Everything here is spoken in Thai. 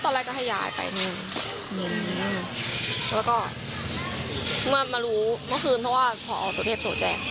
ก็ตอนแรกก็ให้ยายไปแล้วก็มารู้เมื่อคืนเพราะว่าพอออกโสเทพโสแจก